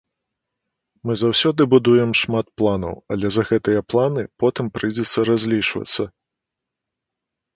Мы заўсёды будуем шмат планаў, але за гэтыя планы потым прыйдзецца разлічвацца.